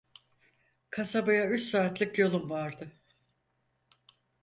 Kasabaya üç saatlik yolum vardı.